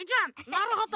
なるほど。